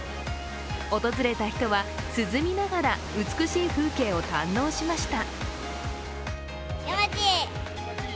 訪れた人は涼みながら美しい風景を堪能しました。